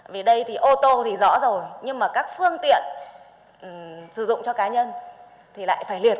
vì đây thì ô tô thì rõ rồi nhưng mà các phương tiện sử dụng cho cá nhân thì lại phải liệt